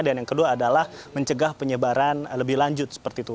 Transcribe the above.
dan yang kedua adalah mencegah penyebaran lebih lanjut seperti itu